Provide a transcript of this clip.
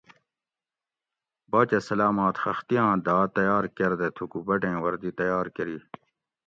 باچہ سلاماۤت خختیاۤں داۤ تیار کۤردہ تھوکو بٹیں وردی تیار کۤری